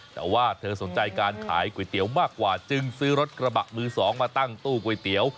แต่ว่าเธอสนใจการขายก๋วยเตี๋ยวมากกว่าจึงซื้อรถกระบะมือสองมาตั้งตู้ก๋วยเตี๋ยว